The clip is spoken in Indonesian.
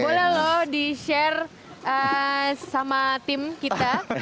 boleh loh di share sama tim kita